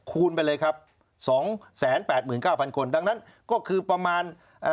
คูณไปเลยครับสองแสนแปดหมื่นเก้าพันคนดังนั้นก็คือประมาณเอ่อ